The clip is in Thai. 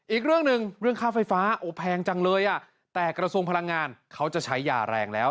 อีกเรื่องหนึ่งเรื่องค่าไฟฟ้าโอ้แพงจังเลยอ่ะแต่กระทรวงพลังงานเขาจะใช้ยาแรงแล้ว